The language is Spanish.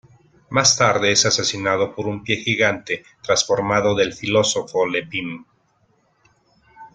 Más tarde es asesinado por un pie gigante transformado del filósofo Le Pym.